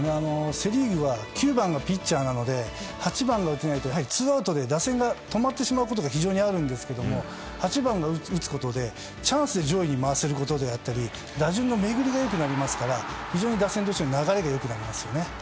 セ・リーグは９番がピッチャーなので８番が打てないとツーアウトで打線が止まってしまうことが非常にあるんですが８番が打つことでチャンスで上位に回ったり打順の巡りが良くなりますから非常に打線としての流れが良くなります。